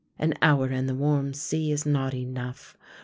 An hour in the warm sea is not enough.